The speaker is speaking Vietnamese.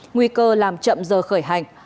nguy cơ làm chậm giờ khởi hành